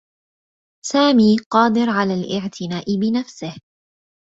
سامي قادر على الاعتناء بنفسه.